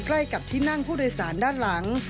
ใกล้กับที่นั่งผู้โดยสารด้านหลัง